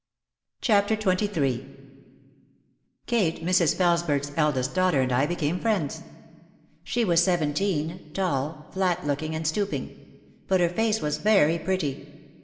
OUT OF THE SHADOW 91 XXIII Kate, Mrs. Felesberg's eldest daughter, and I became friends. She was seventeen, tall, flat looking and stoop ing. But her face was very pretty.